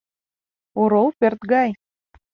Орол пӧрт гай.